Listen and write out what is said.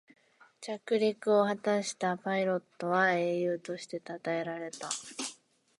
着陸を果たしたパイロットは英雄としてたたえられた